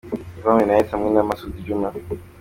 Ivan Minnaert hamwe na Masudi juma